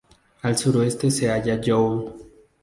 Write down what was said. Al suroeste se halla Joule.